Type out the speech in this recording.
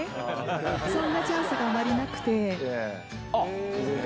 そんなチャンスがあまりなくて。